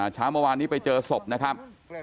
เช้าเมื่อวานนี้ไปเจอศพนะครับ